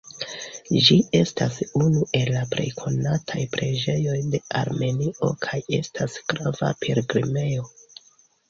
Ĝi estas unu el la plej konataj preĝejoj de Armenio kaj estas grava pilgrimejo.